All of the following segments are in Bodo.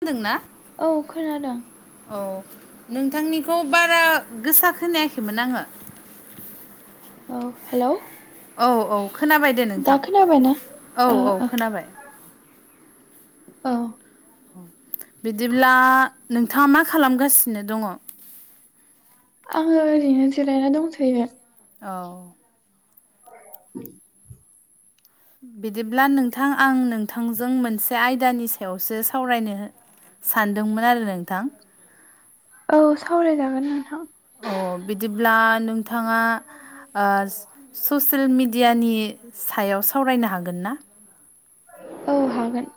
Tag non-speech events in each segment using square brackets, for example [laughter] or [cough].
खोनादोंना औ खोनादों औ नोंथांनिखौ बारा गोसा खोनायाखैमोन आङो औ हेलौ औ औ खोनाबाय दे दा नोंथां खोनाबायना औ ओ औ ओ खोनाबाय औ बिदिब्ला नोंथाङा मा खालामगासिनो दङ आङो ओरैनो जिरायना दंथयो औ [inaudible] बिदिब्ला नोंथां आं नोंथांजों मोनसे आयदानि सायावसो सावरायनो सानदोंमोन आरो नोंथां औ सावरायजागोन नोंथां अ बिदिब्ला नोंथाङा आ ससियेल मेडियानि सायाव सावरायनो हागोनना औ हागोन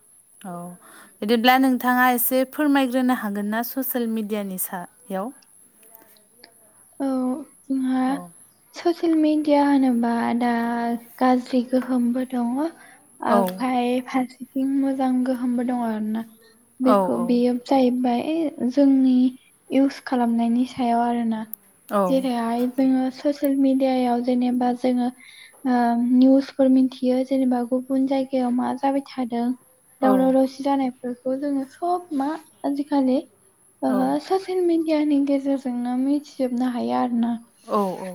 औ बिदिब्ला नोंथाङा एसे फोरमायग्रोनो हागोन ना ससियेल मिडियानि सायाव ओम औ हा ससियेल मेडिया होनोबा दा गाज्रि गोहोमबो दङ ओमफ्राय फारसेथिं मोजां गोहोमबो दङ आरोना बेखौ बेयो औ जाहैबाय जोंनि इउस खालामनायनि सायाव आरोना जेरैहाय जोङो ससियेल मिडियायाव जेनेबा जोङो आ निउसफोर मिथियो जेनेबा गुबुन जायगायाव मा जाबाय थादों दावराव दावसि जानायफोरखौ जोंङो सब मा आजिखालि ओ स ससियेल मिडियानि गेजेरजोंनो मिथिजोबनो हायो आरो ना औ-औ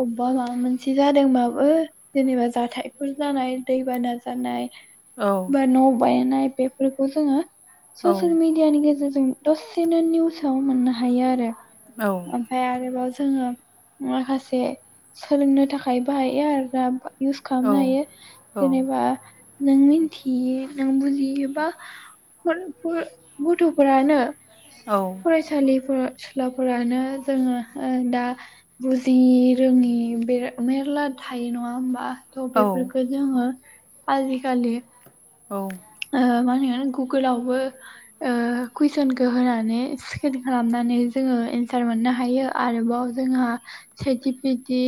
अबेबा माबा मोनसे जादोंबाबो जेनेबा जाथायफोर जानाय दैबाना जानाय बा न' बायनाय बेफोरखौ जोंङो औ ससियेल मिडिया मिडियानि गेजेरजों दसेनो निउसाव मोननो हायो आरो औ ओमफ्राय आरोबाव जोंङो माखासे सोलोंनो थाखाय बाहायो आरो दा इउस खालामनो हायो जेनेबा नों मिन्थि नों बुजियोबा गथ'फोरानो फरायसालि फरायसुलाफोरानो जोंङो दा बुजि रोङि मेर्ला थायो नंङा होमबा थ' बेफोरफोरखौ जोंङो आजिखालि औ मानो गुगोलावबो कुइसनखौ होनानै स्केन खालामनानै जोंङो एन्सार मोननो हायो। आरोबाव जोंहा सेद जिपिटि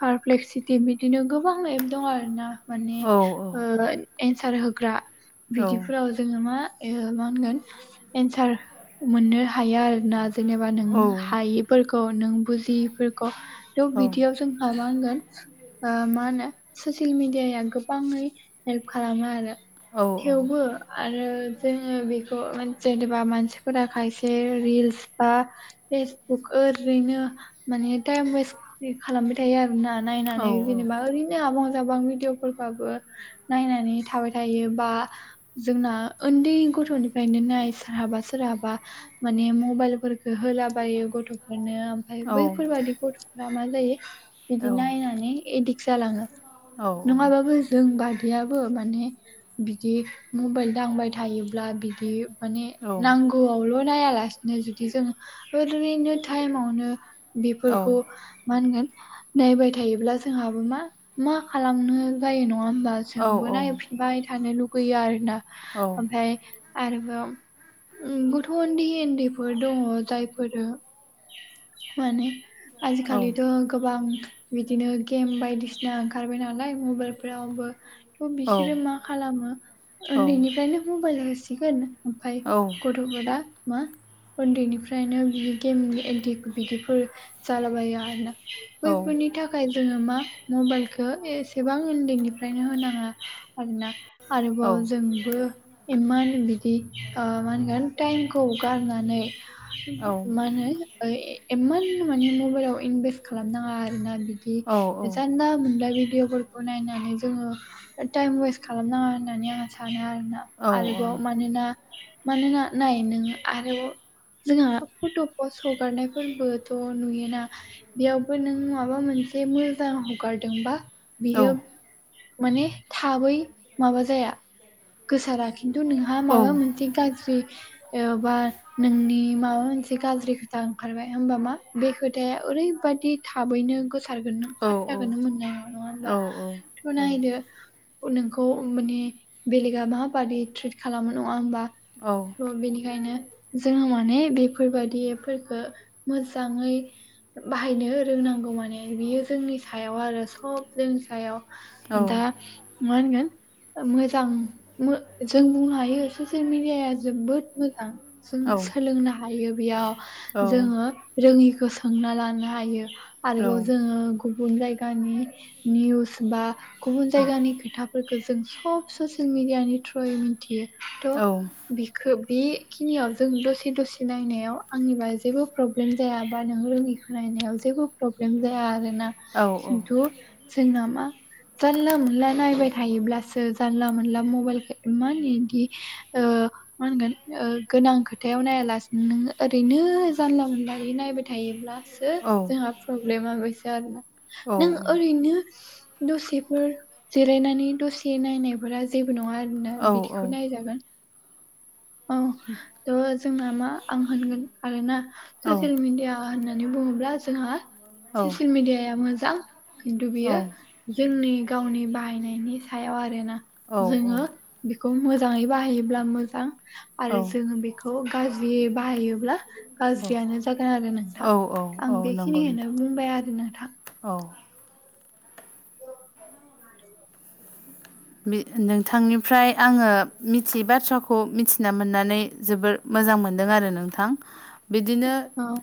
फारफ्लेक्स सिटि बिदिनो गोबां एपस दं आरो ना माने एन्सार होग्रा बिदिफोराव जोंङो मा मा होनगोन एन्सार मोननो हाया आरोना जेनेबा नों हायैफोरखौ नों बुजियैफोरखौ थ बिदियाव जों माबा होनगोन मा होनो ससियेल मिडियाया गोबाङै हेल्प खालामो आरो थेवबो आरो जोंङो बेखौ जेनेबा मानसिफोरा खायसे रिल्स बा फेसबुक ओरैनो माने टाइम वेस्ट खालामबाय थायो आरोना नायनानै जेनेबा ओरैनो आबां जाबां भिडिअफ्राबो नायनानै थाबाय थायो। बा जोंना उन्दै गथ'निफ्रायनो नाय सोरहाबा सोरहाबा माने मबाइल फोरखो होलाबायो गथ'फोरनो ओमफ्राय बैफोरबादि गथ'फ्रा मा जायो बिदि नायनानै एडिक्ट जालाङो नंङाबाबो जों बादैयाबो माने बिदि मबाइल दांबाय थायोब्ला बिदि माने नांगौ फुंआवल' नायालासिनो जुदि जोंङो ओरैनो टाइमावनो बेफोरखौ मा होनगोन नायबाय थायोब्ला जोंहाबो मा मा खालामनो जायो नंङा होमबा जोंबो नायफिनबाय थानो लुगैयो आरो ना ओमफ्राय आरोबाव गथ' उन्द उन्दैफोर दंङो जायफोरो माने आजिखालिथ' गोबां बिदिनो गेम बायदिसिना ओंखारबाय नालाय मबाइलफोरावबो थ' बिसोरो मा खालामो उन्दैनिफ्रायनो मबाइलाव होसिगोन ओमफ्राय गथ [unintelligible] उन्दैनिफ्रायनो बि गेमनि इदिक बिदिफोर जालाबायो आरो ना बैफोरनि थाखाय थाखाय जोंङो मा मबाइलखौ एसेबां उन्दैनिफ्रायनो होनांङा आरोना आरोबाव जोंबो मा होनो बिदि मा होनगोन टाइमखौ गारनानै मा होनो इमान माने मबाइलाव इनभेस्ट खालामनाङा आरोना बिदि जानला मोनला भिदिअफोरखौ नायनानै जोंङो टाइम वेस्ट खालामनाङा होननानै आं सानो आरोना आरोबाव औ मानोना मानोना नाय नोङो आरो जोंहा फट' फस हगारनायफोरबोथ' नुयोना बेयावबो नों माबा मोनसे मोजां हगारदोंबा बियो माने थाबै माबा जाया गोसारा खिन्थु नोंहा माबा मोनसे गाज्रि एबा नोंनि माबा मोनसे गाज्रि खोथा ओंखारबाय होमबा मा बे खोथाया ओरैबादि थाबैनो गोसार गोन ना औ औ फात्ताखौनो मोननाय नङा होमबा नंगौ थ नायदो नोंखौ माने बेलेगा माबादि ट्रिट खालामो नङा होमबा औ बिनिखायनो जोङो माने बेफोरबादि एपफोरखौ मोजाङै बाहायनो रोंनांगौ माने बियो जोंनि सायाव आरो सब जोंनि सायाव दा माहोनगोन मोजां जों बुंनो हायो ससियेल मिडियाया जोबोद मोजां जों सोलोंनो हायो बेयाव जोङो रोङिखौ सोंना लानो हायो आरोबाव जोङो गुबुन जायगानि निउज बा गुबुन जायगानि खोथाफोरखौ जों सब ससियेल मिडियानि थ्रुयै मिथियो थ' बिखौ बेखिनियाव जों दसे दसे नायनायाव आंनिबा जेबो प्रब्लेम जायाबा नों रोङिखौ नायनायाव जेबो प्रब्लेम जाया आरो ना खिनथु जोंना मा जानला मोनला नायबाय थायोब्लासो जानला मोनला मबाइल इमान इदि मा होनगोन गोनां खोथायाव नायालासिनो नोङो ओरैनो जानला मोनला नायबाय थायोब्ला सो जोंहा प्रब्लेमा बेसो आरोना नों ओरैनो दसेफोर जिरायनानै दसे नायनायफोरा जेबो नङा आरोना बिदिखौ नायजागोन औ थ' जोंना मा आं होनगोन आरोना ससियेल मिडिया होननानै बुङोब्ला जोंहा ससियेल मिडियाया मोजां खिनथु बियो जोंनि गावनि बाहायनायनि सायाव आरोना जोङो बेखौ मोजाङै बाहायोब्ला मोजां आरो जोङो बेखौ गाज्रि बाहायोब्ला गाज्रियानो जागोन आरो नोंथां आं बेखिनिखौनो नोंथां बुंबाय आरो नोंथां औ नोंथांनिफ्राय आङो मिथियै बाथ्राखौ मिथिना मोननानै जोबोर मोजां मोनदों आरो नोंथां बिदिनो औ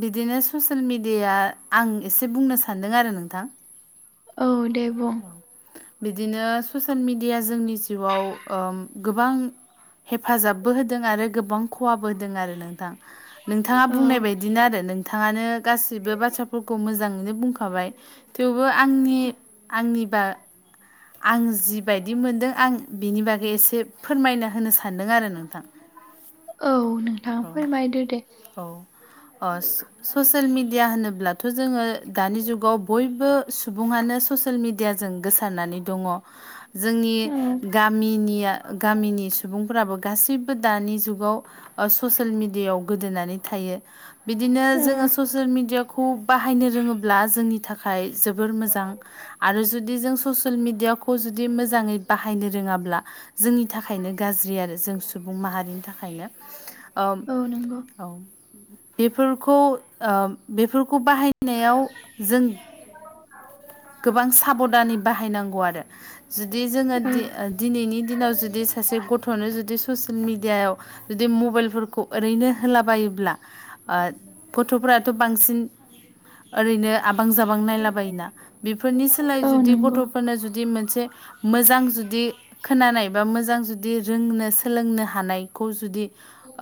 बिदिनो ससियेल मेडिया आं एसे बुंनो सानदों आरो नोंथां औ दे बुं बिदिनो ससियेल मिडिया जोंनि जिउयाव गोबां हेफाजाबबो होदों आरो गोबां खहाबो होदों आरो नोंथां नोंथाङा औ बुंनाय बायदिनो आरो नों बिथाङानो गासैबो बाथ्राफोरखौ मोजाङैनो बुंखाबाय थेवबो आंनि आंनिबा आं जिबायदि मोनदों आं बिनि बागै एसे फोरमायना होनो सानदों आरो नोंथां औ नोंथाङा फोरमायदो दे अ ससियेल मेडिया होनोब्लाथ' जोङो दानि जुगाव बयबो सुबुङानो ससियेल मिडियाजों गोसारनानै दङ जोंनि औ गामिनिया गामिनि सुबुंफोराबो गासैबो दानि जुगाव ओ ससियेल मिडियायाव गोदोनानै थायो बिदिनो औ जोङो ससियेल मेडियाखौ बाहायनो रोङोब्ला जोंनि थाखाय जोबोर मोजां आरो जुदि जों ससियेल मिडियाखौ जुदि मोजांङै बाहायनो रोंङाब्ला जोंनि थाखायनो गाज्रि आरो जों सुबुं माहारिनि थाखायनो ओम औ नंगौ औ बेफोरखौ ओ बेफोरखौ बाहायनायाव जों गोबां साबदानै बाहायनांगौ आरो जुदि जोंङो औ दिनैनि दिनाव जुदि सासे गथ'नो जुदि ससियेल मिडियायाव जुदि मबाइलफोरखौ ओरैनो होलाबायोब्ला ओ गथ'फ्राथ' बांसिन ओरैनो आबां जाबां नायलाबायोना बेफोरनि सोलाय औ जुदि नंगौ गथ'फोरनो जुदि मोनसे मोजां जुदि खोनानाय बा मोजां जुदि रोंनो सोलोंनो हानायखौ जुदि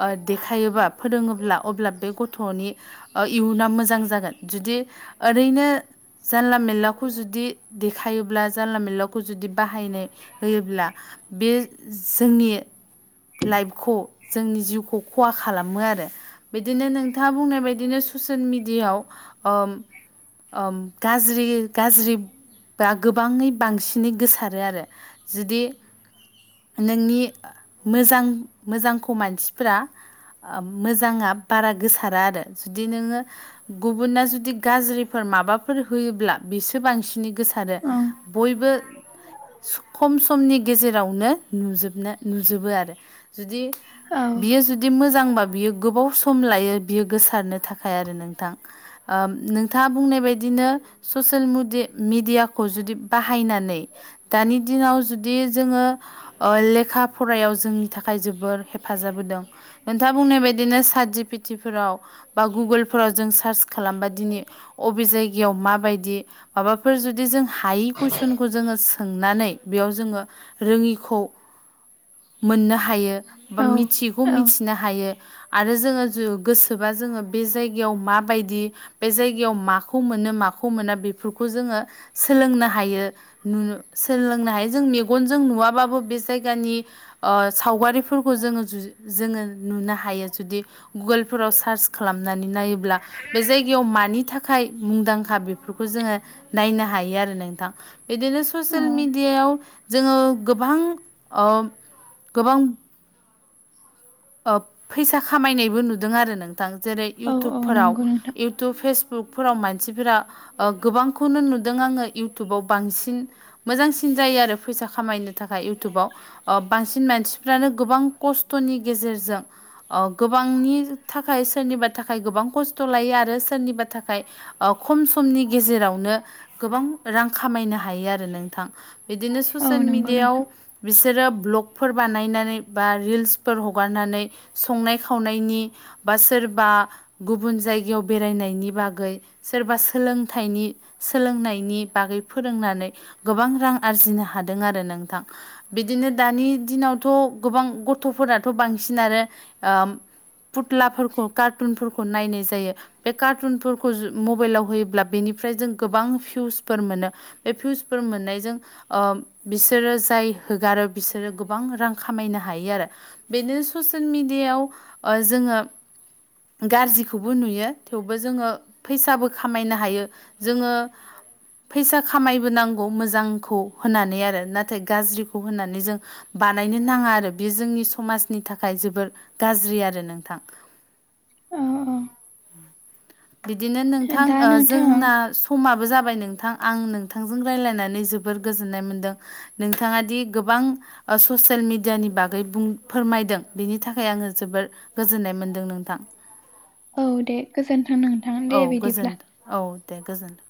ओ देखायोबा फोरोङोब्ला अब्ला बे गथ' गथनि इयुना मोजां जागोन जुदि औरैया जानला मानलाखौ जुदि देखायोब्ला जानला मानलाखौ जुदि बाहायनो होयोब्ला बे जोंनि लाइफखौ जोंनि जिउखौ खहा खालामो आरो बिदिनो नोंथाङा बुंनाय बायदिनो ससियेल मिडियाव ओम ओम गाज्रि गाज्रि बा गोबाङै बांसिनै गोसारो आरो जुदि नोंनि मोजां मोजांखौ मानसिफोरा मोजांङा बारा गोसारा आरो जुदि नोंङो गुबुना जुदि गाज्रिफोर माबाफोर होयोब्ला बिसो बांसिनै गोसारो ओं बयबो खम समनि गेजेरावनो नुजोबनो नुजोबो आरो जुदि औ बियो जुदि मोजांबा बियो गोबाव सम लायो बियो गोसारनो थाखाय आरो नोंथां ओम नोंथांङा बुंनाय बदिनो ससियेल मुदि मिडियाखौ जुदि बाहायनानै दानि दिनाव जुदि जोंङो लेखा फ फरायाव जोंनि थाखाय जोबोर हेफाजाब होदों नोंथांङा बुंनाय बायदिनो साद जिपिथिफोराव बा गुगोलफोराव जों सार्च खालामबा दिनै अबे जायगायाव माबायदि माबाफोर जुदि जों हायि कुइसनखौ जोंङो सोंनानै बेयाव जोंङो रोङिखौ मोननो हायो औ बा मिथियैखौ मिथिनो हायो। आरो जोंङो गोसोबा जोंङो बे जायगायाव माबायदि बे जायगायाव माखौ मोनो माखौ मोना बेफोरखौ जोंङो सोलोंनो हायो। नु सोलोंनो हायो जों मेगनजों नुवाबाबो बे जायगानि ओ सावगारिफोरखौ जोंङो जु जोंङो नुनो हायो जुदि गुगोलफोराव सार्च खालामनानै नायोब्ला बे जायगायाव मानि था खाय मुंदांखा बेफोरखौ जोंङो नायनो हायो आरो नोंथां बिदिनो औ ससियेल मेडियाव जोंङो गोबां ओम गोबां ओब फैसा खामायनायबो नुदों आरो नोंथां जेरै औ औ इउटुबफोराव नंगौ नोंथां इउटुब फेसबुकफोराव मानसिफोरा गोबांखौनो नुदों आंङो इउटुबाव बांसिन मोजांसिन जायो आरो फैसा खामायनो थाखाय इउटुबाव ओ बांसिन मानसिफ्रानो गोबां खस्थ'नि गेजेरजों गोबांनि थाखाय सोरनिबा थाखाय गोबां खस्थ' लायो आरो सोरनिबा थाखाय ओ खम समनि गेजेरावनो गोबां रां खामायनो हायो आरो नोंथां बिदिनो औ ससियेल नंगौ मिडियायाव नोंथां बिसोरो ब्लगफोर बानायनानै बा रिल्स फोर हगारनानै संनाय खावनायनि बा सोरबा गुबुन जायगायाव बेरायनायनि बागै सोरबा सोलोंथाइनि सोलोंनायनि बागै फोरोंनानै गोबां रां आरजिनो हादों आरो नोंथां बिदिनो दानि दिनावथ' गोबां गथ' गथ'फोराथ' बांसिन आरो फुथ्लाफोरखौ कार्टुनफोरखौ नायनाय जायो बे कार्टुनफोरखौ मबाइलाव होयोब्ला बेनिफ्राय जों गोबां भिउसफोर मोनो बे भिउसफोर मोननायजों ओम बिसोरो जाय होगारो बिसोरो गोबां रां खामायनो हायो आरो बेनो ससियेल मेडियायाव जोङो गाज्रिखौबो नुयो थेवबो जोङो फैसाबो खामायनो हायो जोङो फैसा खामायबोनांगौ मोजांखौ होननानै आरो नाथाय गाज्रिखौ होननानै जों बानायनो नाङा आरो बे जोंनि समाजनि थाखाय जोबोर गाज्रि आरो नोंथां औ औ बिदिनो नोंथां दा नोंथां जोंना समाबो जाबाय नोंथां आं नोंथांजों रायज्लायनानै जोबोर गोजोननाय मोनदों नोंथाङा दि गोबां ससियेल मिडियानि बागै फोरमायदों बेनि थाखाय आङो जोबोद गोजोननाय मोन्दों नोंथां औ दे गोजोनथों नोंथां दे औ बिदिब्ला गोजोनथों औ दे गोजोन्थों